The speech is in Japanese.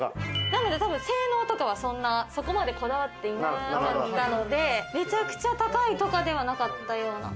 性能とかはそこまでこだわっていなかったのでめちゃくちゃ高いとかではなかったような。